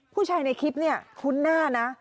ผู้ชายในคลิปนี่คุณหน้านะ